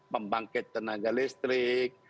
membangkit tenaga listrik